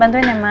bantuin ya mas